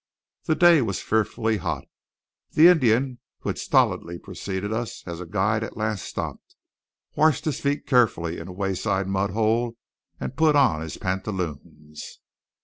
The day was fearfully hot. The Indian who had stolidly preceded us as guide at last stopped, washed his feet carefully in a wayside mud hole and put on his pantaloons.